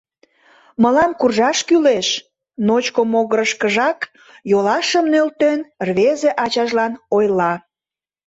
Мылам куржаш кӱлеш, — ночко могырышкыжак йолашым нӧлтен, рвезе ачажлан ойла.